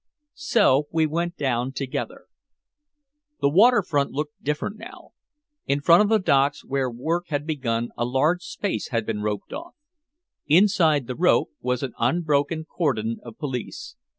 So we went down together. The waterfront looked different now. In front of the docks where work had begun a large space had been roped off. Inside the rope was an unbroken cordon of police.